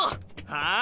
はあ？